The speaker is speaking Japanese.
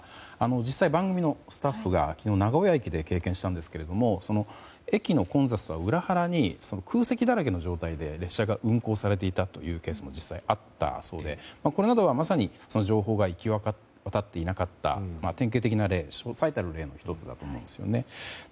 実際、番組のスタッフが昨日名古屋駅で経験したんですが駅の混雑とは裏腹に空席だらけの状態で列車が運行されていたというケースも実際あったそうでこれは情報が行き渡っていなかった典型的な例、最たる例の１つだと思うんですよね。